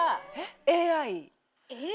ＡＩ？